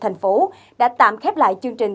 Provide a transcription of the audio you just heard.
thành phố đã tạm khép lại chương trình